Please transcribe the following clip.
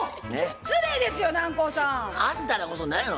失礼ですよ南光さん。あんたらこそ何やの？